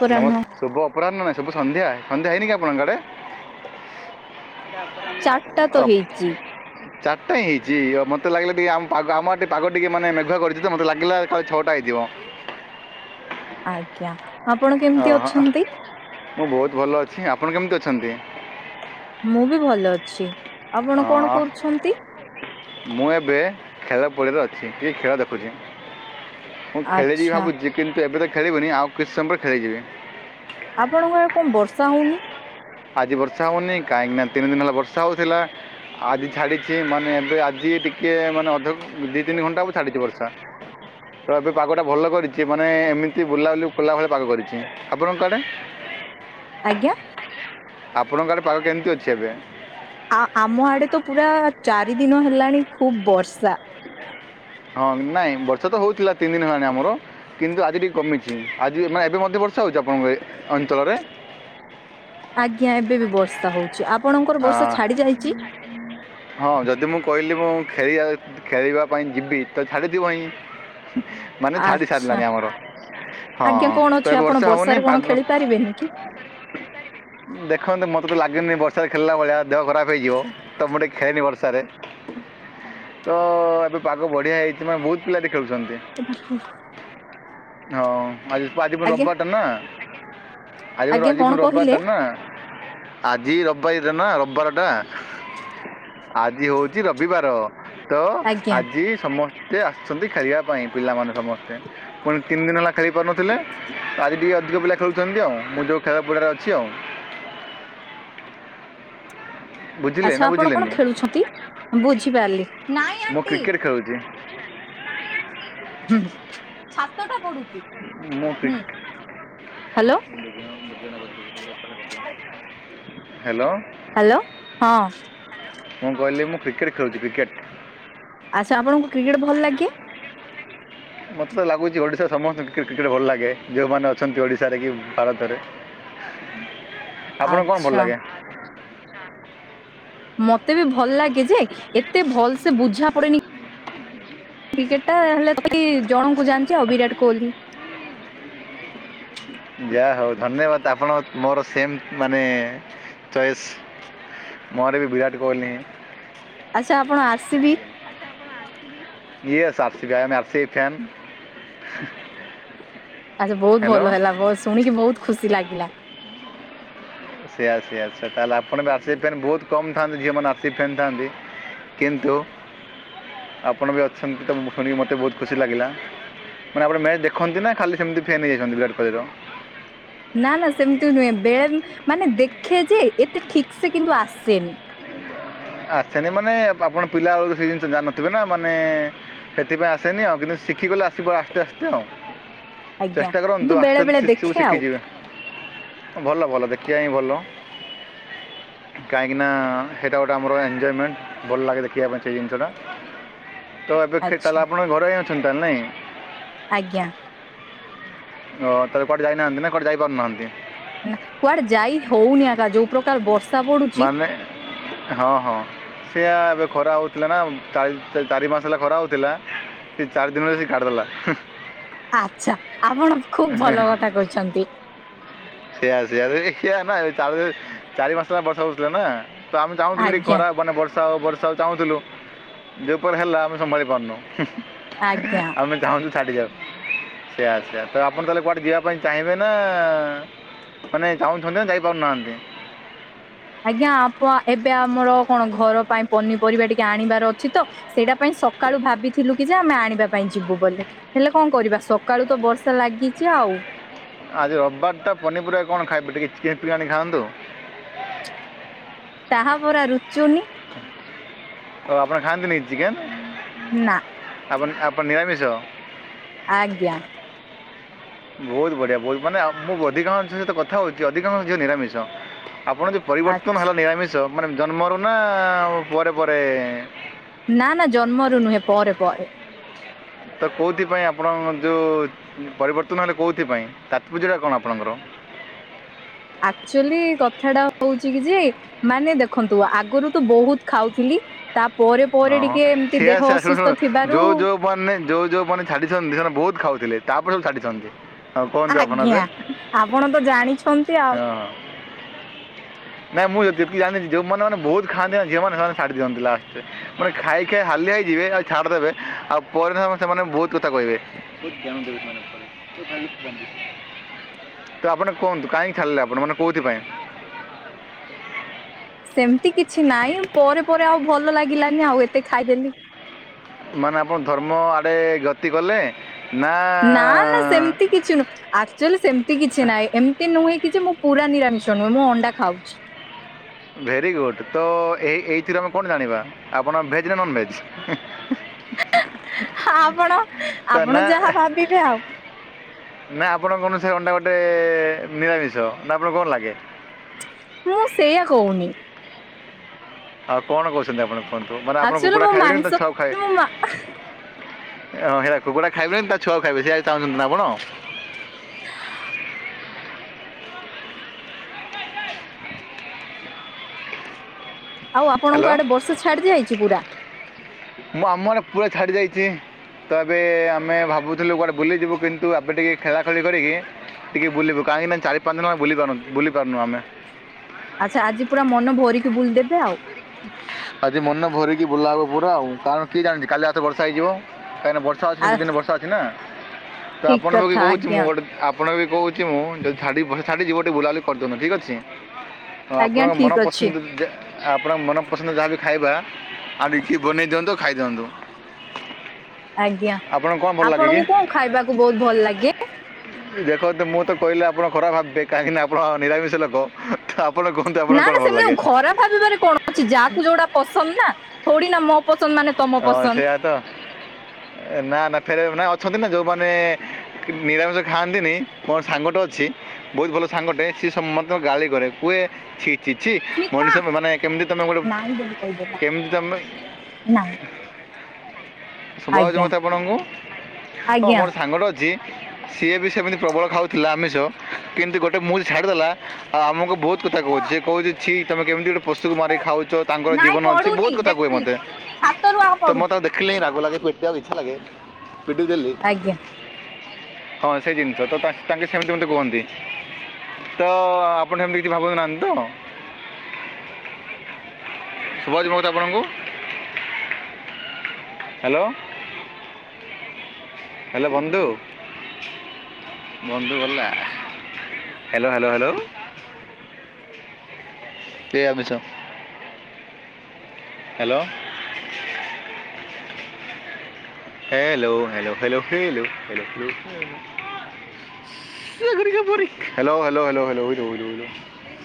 ପୁରା ନମ ନୁହଁ ଶୁଭ ଅପରାହ୍ନ ନାଇଁ ଶୁଭୁ ସନ୍ଧ୍ୟା ସନ୍ଧ୍ୟା ହେଇନି କି ଆପଣଙ୍କ ଆଡେ? ଚାରିଟା ତ ଅ ହେଇଛି ଚା ସଠଟାିଁଇଛି ଆ ମତେ ଲାଗାଲା ଆ ପ ଆମରିକେ ପାଗ ଟିକେ ମାନେ ମେଘୁ କରିଛି ତୋତୋଗିଲାଳେ ଛଅଟା ହେଇଯିବ ଆଜ୍ଞା ଆପଣ କେମିତି ଅହ, ଅଛନ୍ତି? ମୁଁ ବହୁତ ଭଲ ଅଛି ଆପଣ କେମିତି ଅଛନ୍ତି? ମୁଁ ବି ଭଲ ଅଛି ଆପଣ କଣ ଅହ, କରୁଛନ୍ତି? ମୁଁ ଏବେ ଖେଳ ପଡିଆରେ ଅଛି ଟିକେ ଖେଳ ଦେଖୁଛି। ମୁଁ ଖେଳିଯିବି ଆଚ୍ଛା ଭାବୁଛି କିନ୍ତୁ ଏବେ ତ ଖେଳିବିନି ଆଉ କିଛି ସମୟ ପରେ ଖେଳିଯିବି। ଆପଣଙ୍କ ଆ କଣ ବର୍ଷା ହଉନି? ଆଜି ବର୍ଷା ହଉନି କାହିଁକି ନା ତିନି ଦିନ ହେଲା ବର୍ଷା ହଉଥିଲା। ଆଜି ଛାଡିଛି ମାନେ ଏବେ ଆଜି ଟିକେ ମାନେ ଅଧ ଦି ତିନି ଘଣ୍ଟା ହବ ଛାଡିଛି ବର୍ଷା ତ ଏବେ ପାଗ ଟା ଭଲ କରିଛି ମାନେ ଏମିତି ବୁଲାବୁଲି କୋଲା ଭଳିଆ ପାଗ କରିଛି ଆପଣଙ୍କ ଆଡେ? ଆଜ୍ଞା? ଆପଣଙ୍କ ଆଡେ ପାାଗ କେମିତି ଅଛି ଏବେ? ଆ ଆମ ଆଡେ ତ ପୁରା ଚାରି ଦିନ ହେଲାଣି ଖୁବ ବର୍ଷା। ହଁ ନାଇଁ ବର୍ଷା ତ ହଉଥିଲା ତିନି ଦିନ ହେଲାଣି ଆମର କିନ୍ତୁ ଆଜି ଟିକେ କମିଛି ଆଜି ମାନେ ଏବେ ମଧ୍ୟ ବର୍ଷା ହେଉଛି ଆପଣଙ୍କ ଅଞ୍ଚଳରେ? ଆଜ୍ଞା ଏବେ ବି ବର୍ଷା ହଉଛି ଆପଣଙ୍କର ଆ, ବର୍ଷା ଛାଡି ଯାଇଛି [unintelligible] ହଁ ଯଦି ମୁଁ କହିଲି ମୁଁ ଖେଳ ଖେଳିବା ପାଇଁ ଯିବି ତ ଛାଡିଜିବ ହିଁ ମାନେ ଛାଡି ଆଚ୍ଛା ସାରିଲାଣି ଆମର ହଁ ତ ଏ ବର୍ଷା ହବନି ପାଗ କି ବେନି କି? ଦେଖନ୍ତୁ ମତେ ତ ଲାଗିନି ବର୍ଷାରେ ଖେଳିଲା ଭଳିଆ ଦେହ ଖରାପ ହେଇଯିବ ତ ମୁଁ ଟିକେ ଖେଲେନି ବର୍ଷା ରେ ତ ଏବେ ପାଗ ବଢିଆ ହେଇଚି ନା ବହୁତ ପିଲାଟି ଖେଳୁଚନ୍ତି। ଏବେ କୁହ। ହଁ ଆଜି ଆଜି ପା ଆଜ୍ଞା ରବବାଟା ନା ଆଜି ଆଜ୍ଞା ଆଜି କଣ ରବବାର କହିଲେ ଟା ନା ଆଜି ରବିବାରି ଟା ନା। ରବବାର ଟା ଆଜି ହଉଚି ରବିବାର। ତ ଆଜ୍ଞା ଆଜି ସମସ୍ତେ ଆସିଚନ୍ତି ଖେଳିଆ ପାଇଁ ପିଲାମାନେ ସମସ୍ତେ ପୁଣି ତିନି ଦିନ ହେଲା ଖେଳିପାରୁନଥିଲେ ତ ଆଜି ଟିକେ ଅଧିକ ପିଲା ଖେଳୁଛନ୍ତି ଆଉ ମୁଁ ଯେଉଁ ଖେଳପଡିଆ ରେ ଅଛି ଆଉ ବୁଝିଲେ ନା ଆଚ୍ଛା ଆପଣ କଣ ବୁଝିଲେନି ଖେଳୁଛନ୍ତି ବୁଝିପାରିଲି। ମୁଁ କ୍ରିକେଟ ଖେଳୁଚି। ହୁଁ ଛାତ ଟା ପଢୁଚି। ମୁଁ କ୍ରୀକ ହ୍ୟାଲୋ ହ୍ୟାଲୋ। ହ୍ୟାଲୋ ହଁ। ମୁଁ କହିଲି ମୁଁ କ୍ରିକେଟ ଖେଳୁଚି କ୍ରିକେଟ। ଆଚ୍ଛା ଆପଣଙ୍କୁ କ୍ରିକେଟ୍ ଭଲ ଲାଗେ କି। ମୋତେ ତ ଲାଗୁଛି ଓଡ଼ିଶା ରେ ସମସ୍ତଙ୍କୁ କି କ୍ରିକେଟ୍ ଭଲ ଲାଗେ ଯୋଉମାନେ ଅଛନ୍ତି ଓଡ଼ିଶାରେ କି ଭାରତରେ। ଆପଣଙ୍କୁ କଁ ଭଲ ଆଚ୍ଛା ଲାଗେ। ମତେ ବି ଭଲ ଲାଗେ ଯେ ଏତେ ଭଲ ସେ ବୁଝା ପଡେନି। କ୍ରିକେଟ ଟା ହେଲେ କି ଜଣଙ୍କୁ ଜାଣିଚି ଆଉ ବିରାଟ କୋହଲି। ଯା ହଉ ଧନ୍ୟବାଦ ଆପଣ ମୋର ସେମ ମାନେ ଚଏସ୍। ମୋର ବି ବିରାଟ କୋହଲି। ଆଚ୍ଛା ଆପଣ R C B. Yes R C B I am R C B fan. ଆଚ୍ଛା ବହୁତ ହ୍ୟାଲୋ ଭଲ ହେଲା ବହୁ ଶୁଣିକି ବହୁତ ଖୁସି ଲାଗିଲା। ସେଇଆ ସେଇଆ ସେୟା ତାହେଲେ ଆପଣ ବି ଆର ସି ବି ଫ୍ୟାନ୍ ବହୁତ କମ ଥାନ୍ତି ଝିଅ ମାନ ଆରସିବି ଫ୍ୟାନ୍ ଥାଆନ୍ତି। କିନ୍ତୁ ଆପଣ ବି ଅଛନ୍ତି ତ ଶୁଣିକି ମୋତେ ବହୁତ ଖୁସି ଲାଗିଲା। ମାନେ ଆପଣ ମ୍ୟାଚ ଦେଖନ୍ତି ନା ଖାଲି ସେମିତି ଫ୍ୟାନ୍ ହେଇଯାଇଛନ୍ତି ବିରାଟ କୋହଲିର। ନା ନା ସେମିତି ନୁହେଁ ବେଳେ ମାନେ ଦେଖେ ଯେ ଏତେ ଠିକ ସେ କିନ୍ତୁ ଆସେନି। ଆସେନି ମାନେ ଆପଣ ପିଲା ବେଳୁ ସେଇ ଜିନିଷ ଜାଣିନଥିବେ ନା ମାନେ। ସେଥିପାଇଁ ଆସେନି ଆଉ କିନ୍ତୁ ଶିଖିଗଲେ ଆସିବ ଆସ୍ତେ ଆସ୍ତେ ଆଉ। ଆଜ୍ଞା ଚେଷ୍ଟା କରନ୍ତୁ କିନ୍ତୁ ଆସ୍ତେ ବେଳେ ଆସ୍ତେ ବେଳେ ସେ ସବୁ ଦେଖେ ଶିଖି ଆଉ ଯିବେ। ଭଲ ଭଲ ଦେଖିଆ ହିଁ ଭଲ। କାହିଁକି ନା ହେଇଟା ଗୋଟେ। ଆମର ଏଞ୍ଜୟ୍ ମେଣ୍ଟ ଭଲ ଲାଗେ ଦେଖିବା ପାଇଁ ସେ ଜିନିଷ ଟା ତ ଏବେ ଖେ ଆଚ୍ଛା ତାହେଲେ ଆପଣ ତା। ଘରେ ହିଁ ଅଛନ୍ତି ତାହେଲେ ନାଇଁ। ଆଜ୍ଞା। ଓ ତାହାଲେ କୁଆଡେ ଯାଇ ନାହାନ୍ତି ନା କୁଆଡେ ଯାଇ ପାରୁନାହାନ୍ତି। ନା କୁଆଡେ ଯାଇ ହଉନି ଆକା ଯୋଉ ପ୍ରକାର ବର୍ଷା ପଡୁଚି। ମାନେ ହଁ ହଁ। ସେୟା ଏବେ ଖରା ହେଉଥିଲା ନା ଚା ଚାରି ମାସ ହେଲା ଖରା ହେଉଥିଲା। ସେ ଚାରି ଦିନରେ ସେ କାଡି ଦେଲା ହିଁ। ଆଛା ଆପଣ ଖୁବ ଭଲ କଥା କହିଛନ୍ତି। ସେଇଆ ସେଇଆ ସେଇଆ ନା ଚାର ଚାରି ମାସ ହେଲା ବର୍ଷା ହଉଥିଲା ନା। ତ ଆମେ ଚାହୁଁଥିଲୁ ଟିକେ ଆଜ୍ଞା ଖରା ମାନେ ବର୍ ବର୍ଷା ହଉ ବର୍ଷା ହଉ ଚାହୁଁଥିଲୁ ଯୋଉ ପକାରେ ହେଲା ଆମେ ସମ୍ଭାଳି ପାରୁନୁ ଆଜ୍ଞା ଆମେ। ଚାହୁଁଛୁ ଛାଡି ଯାଉ ସେୟା ସେୟା ତ ଆପଣ ତାହେଲେ କୁଆଡ଼େ ଯିବା ପାଇଁ ଚାହିଁବେ ନା। ମାନେ ଚାହୁଁଛନ୍ତି ନା ଯାଇ ପାରୁନାହାନ୍ତି। ଆଜ୍ଞା ଆପଣ ଏବେ ଆମର କଣ ଘର ପାଇଁ ପନିପରିବା ଟିକେ ଆଣିବାର ଅଛି ତ। ସେଇଟା ପାଇଁ ସକାଳୁ ଭାବିଥିଲୁ କି ଯେ ଆମେ ଆଣିବା ପାଇଁ ଯିବୁ ବୋଲି। ହେଲେ କଁ କରିବା ସକାଳୁ ତ ବର୍ଷା ଲାଗିଛି ଆଉ। ଆଜି ରବିବାର ଟା ପନିପରିବା କଣ ଖାଇବେ ଟିକେ ଚିକେନ ଫିକେନ ଆଣି ଖାଆନ୍ତୁ। ତାହା ପରା ରୁଚୁନି। ଓ ଆପଣ ଖାଆନ୍ତି ନି କି ଚିକେନ୍? ନା। ଆପଣ୍ ଆପଣ ନିରାମିଷ? ଆଜ୍ଞା। ବହୁତ ବଢିଆ ବହୁତ ମାନେ ମୁଁ ଅଧିକାଂଶ ଝିଅ ସହିତ କଥା ହଉଛି ଅଧିକାଂଶ ଝିଅ ନିରାମିଷ ଆପଣ ଭି ପରିବର୍ତ୍ତନ ଆଛା ହେଲା ନିରାମିଷ ମାନେ ଜନ୍ମରୁ ନା ପରେ ପରେ। ନା ନା ଜନ୍ମରୁ ନୁହେଁ ପରେ ପରେ। ତ କୋଉଥିପାଇଁ ଆପଣଙ୍କ ଯୋଉ ପରିବର୍ତ୍ତନ ହେଲେ କୋଉଥିପାଇଁ ତାତ୍ପର୍ଯ୍ୟ ଟା କଣ ଆପଣଙ୍କର? ଆକ୍ଚୁଆଲି କଥାଟା ହଉଛି କି ଯେ ମାନେ ଦେଖନ୍ତୁ ଆଗରୁ ତୁ ବହୁତ ଖାଉଥିଲି। ତା ପରେ ପରେ ଓହୋ ଟିକେ ଏମିତି ଦେହ ଅସୁସ୍ଥ ଥିବାରୁ ମାନେ ଯୋଉ ଯୋଉମାନେ ଛାଡିଛନ୍ତି ସେମାନେ ବହୁତ ଖାଉଥିଲେ ତାପରେ ଛାଡିଛନ୍ତି। ହଁ କୁହନ୍ତୁ ଆପଣ ଏବେ ଆଜ୍ଞା ଆପଣ ତ ଜାଣିଛନ୍ତି ଆଉ ହଁ। ନାଇଁ ମୁଁ ଯେତିକି ଜାଣିଛି ଯୋଉମାନୋନ ବହୁତ ଖାଆନ୍ତି ଝିଅମାନେ ସେମାନେ ଛାଡି ଦିଅନ୍ତି ଲାଷ୍ଟ ରେ ମାନେ ଖାଇ ଖାଇ ହାଲିଆ ହେଇଯିବେ ଆ ଛାଡ଼ି ଦେବେ ଆଉ ପରେ ସେମାନେ ବହୁତ କଥା କହିବେ। ତ ଆପଣ କୁହନ୍ତୁ କାହିଁକି ଛାଡିଲେ ଆପଣ ମାନେ କୋଉଥିପାଇଁ? [unintelligible] ସେମତି କିଛି ନାଇଁ ପରେ ପରେ ଆଉ ଭଲ ଲାଗିଲାନି ଆଉ ଏତେ ଖାଇଦେଲି। ମାନେ ଆପଣ ଧର୍ମ ଆଡ଼େ ଗତି କଲେ ନା ନା ନା ସେମିତି କିଛି ନ ଥିଲା। ଆକ୍ଚୁଆଲି ସେମିତି କିଛି ନାହିଁ ଏମିତି ନୁହେଁ କି ମୁଁ ପୁରା ନିରାମିଷ ନୁହେଁ ମୁଁ ଅଣ୍ଡା ଖାଉଛି। ଭେରି ଗୁଡ୍ ତ ଏ ଏଇଥିରୁ ଆମେ କଣ ଜାଣିବା ଆପଣ ଭେଜ୍ ନା ନନ୍ ଭେଜ? ଆପଣ? ତ ଆପଣ ନା। ଯାହା ଭାବିବେ ଆଉ ନା ଆପଣଙ୍କ ଅନୁସାରେ ଅଣ୍ଡା ଗୋଟେ ନିରାମିଷ ନା ଆପଣଙ୍କୁ କଣ ଲାଗେ? ମୁଁ ସେଇଆ କହୁନି। ଆଉ କଣ କହୁଛନ୍ତି ଆପଣ କୁହନ୍ତୁ ମାନେ ଆପଣ ଆକ୍ଚୁଆଲି କୁକୁଡା ମୁଁ ଖାଇବେନି ମାଂସ କିନ୍ତୁ ତା ଛୁଆ କୁ ଖାଇବେ। ମୁଁ ମା ଓ ସେଇଟା କୁକୁଡା ଖାଇବେନି ତା ଛୁଆ ଖାଇବେ ସେଇଆ ଚାହୁଁଛନ୍ତି ନା ଆପଣ [unintelligible] ଆଉ ଆପଣଙ୍କ ହ୍ୟାଲୋ ଆଡେ ବର୍ଷା ଛାଡି ଦିଆଯାଇଛି ପୁରା? ମୁଁ ଆମ ଆଡ଼େ ପୁରା ଛାଡି ଯାଇଛି। ତ ଏବେ ଆମେ ଭାବୁଥିଲୁ କୁଆଡ଼େ ବୁଲିଯିବୁ କିନ୍ତୁ ଏବେ ଟିକେ ଖେଳାଖେଳି କରିକି ଟିକେ ବୁଲିବୁ କାହିକି ନା ଚାରି ପାଞ୍ଚ ଦିନ ବୁଲି ପାରୁନଥିଲୁ ବୁଲି ପାରୁନୁ ଆମେ। ଆଚ୍ଛା ଆଜି ପୁରା ମନ ଭରିକି ବୁଲିଦେବେ ଆଉ ଆଜି ମନେ ଭରିକି ବୁଲା ହେବ ପୁରା ଆଉ କାରଣ କି ଜାଣିଛି କାଲି ଆଟୁ ବର୍ଷା ହେଇଯିବ କାହିଁକି ନା ଛ ସାତ ଆ ଦିନ ଦିନ ବର୍ଷା ଅଛି ନା ତ ଠିକ ଆପଣଙ୍କୁ ବି କଥା କହୁଛି ମୁଁ ଆଜ୍ଞା। ଗୋଟେ ଆପଣଙ୍କୁ ବି କହୁଛି ମୁଁ ଯଦି ଛାଡ଼ି ପଳେଇଥାନ୍ତି ଟିକେ ବୁଲାବୁଲି କରିଦଉନୁ ଠିକ ଅଛି। ହ ଆଜ୍ଞା ଆପଣଙ୍କ ଠିକ ଅଛି ମନପସନ୍ଦ ଯେ ଆପଣଙ୍କ ମନ ପସନ୍ଦ ଆଣିକି ଖାଇବା ଆ ଟିକି ବନେଇ ଦିଅନ୍ତୁ ଖାଇଦିଅନ୍ତୁ। ଆଜ୍ଞା ଆପଣଙ୍କୁ କଣ ଖାଇବାକୁ ବହୁତ ଭଲ ଲାଗେ? ଦେଖନ୍ତୁ ମୁଁ ତ କହିଲେ ଆପଣ ଖରାପ ଭାବିବେ କାହିଁକି ନା ଆପଣ ନିରାମିଷ ଲୋକ। ତ ଆପଣ କୁହନ୍ତୁ ନା ଆପଣଙ୍କୁ କ'ଣ ନା ଭଲ ଲାଗେ ସେମିତି ଖରା ଭାବିବାରେ କଣ ଅଛି ଯାହାକୁ ଯୋଉଟା ପସନ୍ଦ ନା ଥୋଡି ନା ମ ପସନ୍ଦ ମାନେ ତମ ହଁ ପସନ୍ଦ ସେଇଆା ତ ନା ନା ଫେର ନା ଅଛନ୍ତି ନା ଯୋଉମାନେ ନିରାମିଷ ଖାଆନ୍ତିନି ମୋର ସାଙ୍ଗଟେ ଅଛି। ବହୁତ ଭଲ ସାଙ୍ଗଟେ ସିଏ ସମସ୍ତଙ୍କୁ ଗାଳି କରେ କୁହେ ଛି ଛି ଛି ସ୍ମିତା ମଣିଷ ମାନେ କେମିତି ତମେ ଗଲ କେମିତି ତମେ ନା। ଶୁଭାହଉଛି ମୋ କଥା ଆପଣଙ୍କୁ ହଁ ଆଜ୍ଞା ମୋର ସାଙ୍ଗଟେ ଅଛି। ସିଏ ବି ସେମିତି ପ୍ରବଳ ଖାଉଥିଲା ଆମିଷ କିନ୍ତୁ ଗୋଟେ ମୁଁ ଛାଡ଼ିଦଲା ଆମକୁ ବହୁତ କଥା କହୁଛି ସିଏ କହୁଛି। ଛି ତମେ କେମିତି ପଶୁ କୁ ମାରିକି ଖାଉଛ ତାଙ୍କର ନାଇଁ ଜୀବନ ଅଛି ପଡୁନି ବହୁତ କଥା କହେ ଦେଖିଲି ମୋତେ। ଛାତରୁ ଆଉ ତ ପଡୁଛି ମତ ଦେଖିଲେ ରାଗ ଲାଗେ ପିଟିବାକୁ ଇଚ୍ଛା ଲାଗେ ପିଟି ଦେଲି। ଆଜ୍ଞା। ହଁ ସେଇ ଜିନିଷ ତ ତା ତାଙ୍କେ ସେମିତି ମତେ କୁହନ୍ତି। ତ ଆପଣ ଏମିତି ଭାବୁ ନାହାନ୍ତି ତ? ସୁୁବାଯିବ ତ ଆପଣଙ୍କୁ? ହାଲୋ ହାଲୋ ବନ୍ଧୁ। ବନ୍ଧୁ ଭଲା hello hello hello. [unintelligible] Hello. Hello hello fellow fellow hello fellow fellow. [unintelligible] ପରୀକ hello hello hello hello hello hello hello.